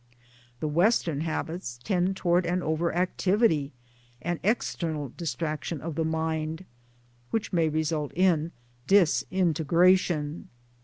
The Western habits tend towards an over activity and external distraction of the mind, which may result in disintegration.